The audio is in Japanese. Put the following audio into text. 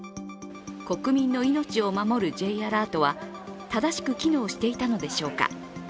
国民の命を守るＪアラートは正しく機能していたのでしょうか。